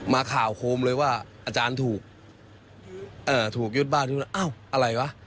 มาข่าวโคมเลยว่าอาจารย์ถูกอ่าถูกยุดบ้านอ้าวอะไรวะ